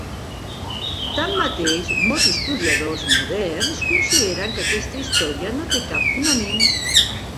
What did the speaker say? Tanmateix molts historiadors moderns consideren que aquesta història no té cap fonament.